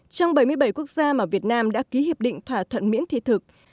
trong bảy mươi bảy quốc gia mà việt nam đã ký hiệp định thỏa thuận miễn thị thực